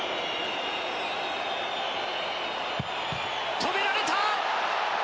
止められた！